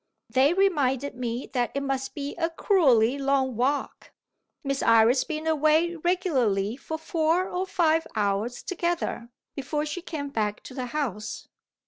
They reminded me that it must be a cruelly long walk; Miss Iris being away regularly for four or five hours together, before she came back to the house.